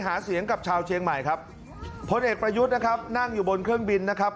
อย่างที่สุดท้ายสร้างชาติกันบ้างครับผลเอกประยุจจันทร์โอชาญนายกัธมนตรีนะครับ